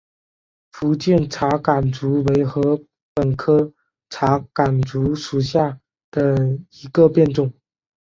福建茶竿竹为禾本科茶秆竹属下的一个变种。